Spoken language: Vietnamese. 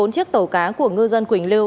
bốn chiếc tàu cá của ngư dân quỳnh lưu